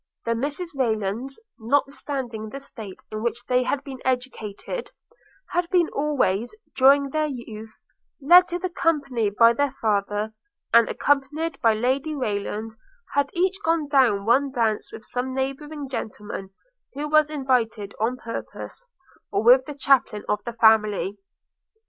The Mrs Raylands, notwithstanding the state in which they had been educated, had been always, during their youth, led to the company by their father, and accompanied by Lady Rayland, had each gone down one dance with some neighbouring gentleman who was invited on purpose, or with the chaplain of the family.